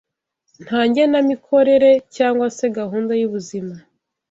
Nta genamikorere cyangwa se gahunda y’ubuzima